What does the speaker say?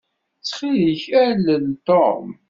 Ttxil-k, alel Tom.